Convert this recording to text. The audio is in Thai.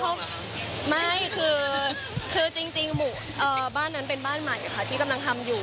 เขาไม่คือจริงหมู่บ้านนั้นเป็นบ้านใหม่ค่ะที่กำลังทำอยู่